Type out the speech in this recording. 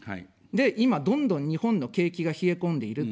で、今、どんどん日本の景気が冷え込んでいる。